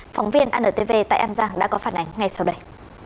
phóng viên antv tại an giang đã có phản ánh ngay sau đây